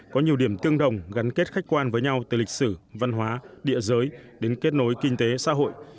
có nhiều điểm tương đồng gắn kết khách quan với nhau từ lịch sử văn hóa địa giới đến kết nối kinh tế xã hội